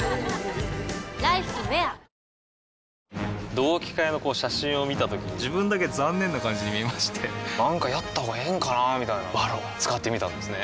同期会の写真を見たときに自分だけ残念な感じに見えましてなんかやったほうがええんかなーみたいな「ＶＡＲＯＮ」使ってみたんですね